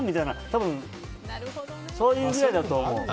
多分、そういうぐらいだと思う。